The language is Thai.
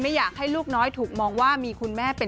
ดิฉันเปล่านะ